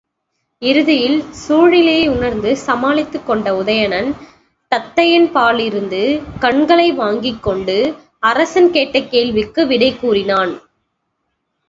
இறுதியில் சூழ்நிலையை உணர்ந்து சமாளித்துக் கொண்ட உதயணன், தத்தையின்பாலிருந்து கண்களை வாங்கிக்கொண்டு அரசன் கேட்ட கேள்விக்கு விடை கூறினான்.